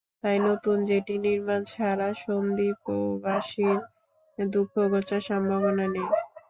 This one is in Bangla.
তাই নতুন জেটি নির্মাণ করা ছাড়া সন্দ্বীপবাসীর দুঃখ ঘোচার সম্ভাবনা নেই।